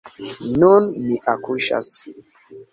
Nun mi akuŝas.